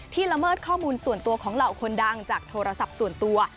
ละเมิดข้อมูลส่วนตัวของเหล่าคนดังจากโทรศัพท์ส่วนตัว